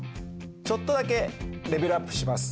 ちょっとだけレベルアップします。